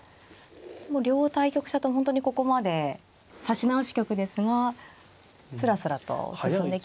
もう両対局者とも本当にここまで指し直し局ですがスラスラと進んできましたね。